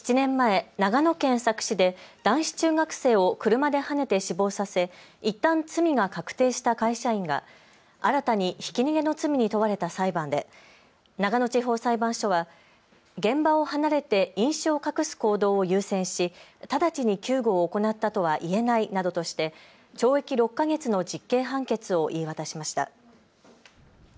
７年前、長野県佐久市で男子中学生を車ではねて死亡させいったん罪が確定した会社員が新たに、ひき逃げの罪に問われた裁判で長野地方裁判所は現場を離れて飲酒を隠す行動を優先し直ちに救護を行ったとはいえないなどとして懲役６か月の実刑判決を言い渡しました。